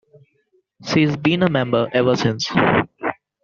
She's been a member ever since.